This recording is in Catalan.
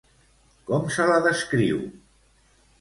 Com se la descriu?